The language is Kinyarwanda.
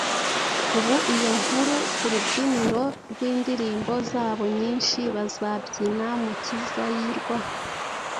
ubu iyo ku rubyiniro rw’indirimbo zabo nyinshi bazibyina mukizayirwa